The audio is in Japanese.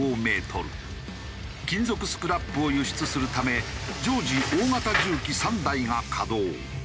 金属スクラップを輸出するため常時大型重機３台が稼働。